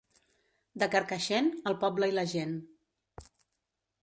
De Carcaixent, el poble i la gent.